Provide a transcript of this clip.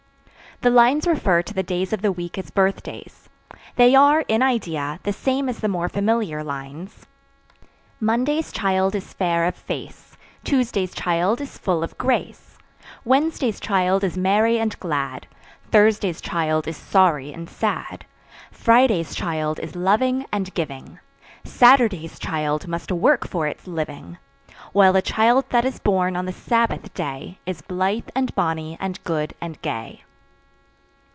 The lines refer to the days of the week as birthdays. They are, in idea, the same as the more familiar lines: Monday's child is fair of face, Tuesday's child is full of grace; Wednesday's child is merry and glad, Thursday's child is sorry and sad; Friday's child is loving and giving; Saturday's child must work for its living; While the child that is born on the Sabbath day Is blithe and bonny and good and gay.